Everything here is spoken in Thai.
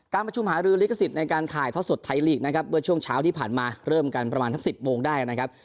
ประชุมหารือลิขสิทธิ์ในการถ่ายทอดสดไทยลีกนะครับเมื่อช่วงเช้าที่ผ่านมาเริ่มกันประมาณสัก๑๐โมงได้นะครับ